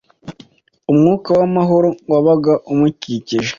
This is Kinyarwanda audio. Umwuka w'amahoro wabaga umukikije